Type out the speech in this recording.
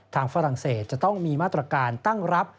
ฝรั่งเศสจะต้องมีมาตรการตั้งรับ